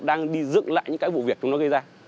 đang đi dựng lại những cái vụ việc chúng nó gây ra